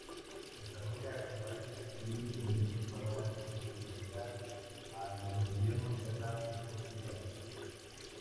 Desarrolla campañas y proyectos para concienciar a los gobiernos y a la sociedad.